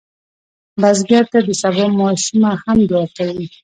بزګر ته د سبا ماشومه هم دعا کوي